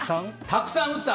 たくさん打った。